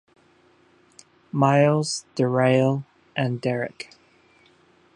Miles, Darrayl and Derrick.